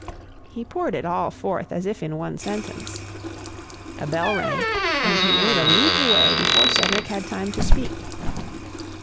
He poured it all forth as if in one sentence. A bell rang, and he made a leap away before Cedric had time to speak.